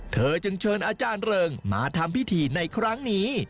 เธอจึงเชิญอาจารย์เริงมาทำพิธีในครั้งนี้